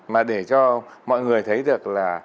mà để cho mọi người thấy được là